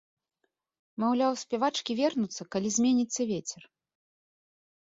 Маўляў, спявачкі вернуцца, калі зменіцца вецер.